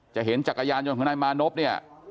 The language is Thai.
เห็นจักรยานยนต์ของนายมานพเนี่ย